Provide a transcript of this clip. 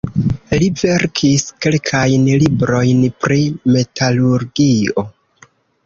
Li verkis kelkajn librojn pri metalurgio.